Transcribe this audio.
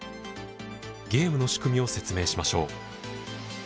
ゲームの仕組みを説明しましょう。